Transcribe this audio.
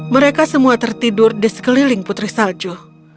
mereka semua tertidur di sekeliling putri salju